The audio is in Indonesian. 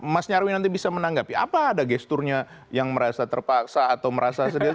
mas nyarwi nanti bisa menanggapi apa ada gesturnya yang merasa terpaksa atau merasa sedih